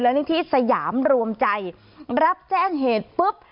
และนิธิสยามรวมใจรับแจ้งเหตุปุ๊บ